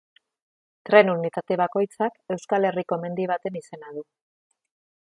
Tren unitate bakoitzak Euskal Herriko mendi baten izena du.